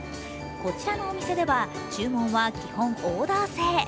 こちらのお店では注文は基本オーダー制。